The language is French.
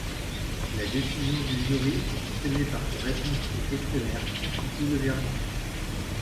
La décision du jury exprimée par ses réponses au questionnaire constitue le verdict.